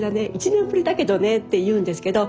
「１年ぶりだけどね」って言うんですけど